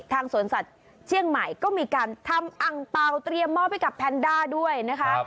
สวนสัตว์เชียงใหม่ก็มีการทำอังเปล่าเตรียมมอบให้กับแพนด้าด้วยนะคะ